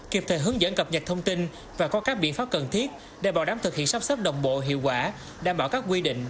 kịp thời hướng dẫn cập nhật thông tin và có các biện pháp cần thiết để bảo đảm thực hiện sắp xếp đồng bộ hiệu quả đảm bảo các quy định